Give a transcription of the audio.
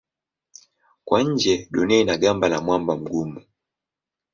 Kwa nje Dunia ina gamba la mwamba mgumu.